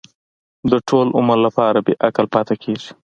د ټول عمر لپاره بې عقل پاتې کېږي.